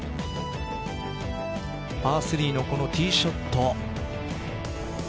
パー３のこのティーショット。